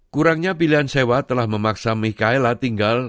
kurangnya pilihan sewa telah memaksa mikaela tinggal